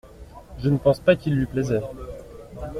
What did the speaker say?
Je ne pense pas qu’il lui plaisait.